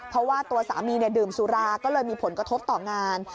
เพราะว่าตัวสามีดื่มสุราก็เลยมีผลกระทบต่องาน